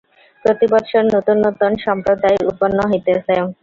প্রতিবৎসর নূতন নূতন সম্প্রদায় উৎপন্ন হইতেছে।